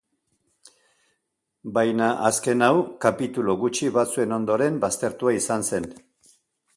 Baina, azken hau kapitulu gutxi batzuen ondoren, baztertua izan zen.